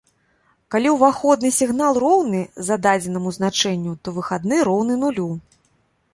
Калі уваходны сігнал роўны зададзенаму значэнню, то выхадны роўны нулю.